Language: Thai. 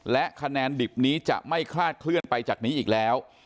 และคะแนนดิบนี้จะไม่คลาดเคลื่อนไปจากนี้อีกแล้ว